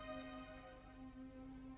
aku sudah berjalan